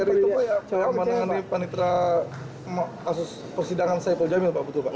r itu yang menangani panitra kasus persidangan saiful jamil pak